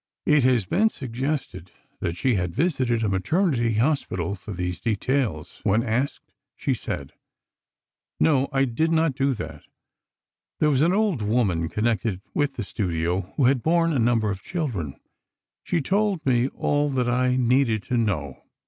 It has been suggested that she had visited a maternity hospital for these details. When asked, she said: "No, I did not do that. There was an old woman connected with the studio, who had borne a number of children. She told me all that I needed to know.